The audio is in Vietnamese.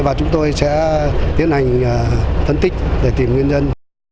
và chúng tôi sẽ tiến hành phân tích để tìm nguyên nhân